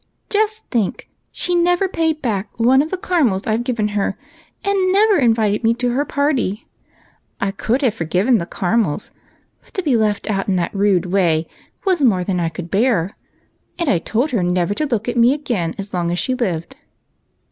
Just think, she never paid back one of the caramels I've given her, and never invited me to her party. I could have forgiven the caramels, but to be left out in that rude way was more than I could bear, and I told her never to look at me again as long as she lived."